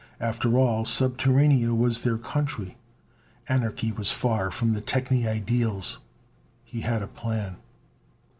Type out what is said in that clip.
After all, Subterranea was their country. Anarchy was far from the technie ideals. He had a plan.